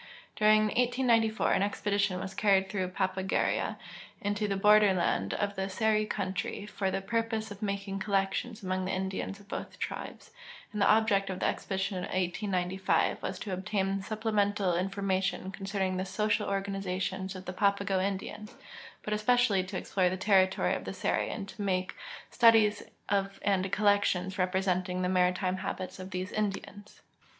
During 1894 an expedition was carried through Papagueria and into the borderland of the Seri country for the ])urpose of making collections among the Indians of both tril)es, and the object of the expedition of 1895 was to obtain supplemental information concerning the social organization of the Papago Indians, but especially to explore the territoiy of the Seri and to make studies of and collections repre senting the maritime habits of these Indians.